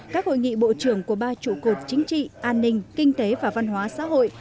các hội nghị bộ trưởng của ba trụ cột chính trị an ninh kinh tế và văn hóa xã hội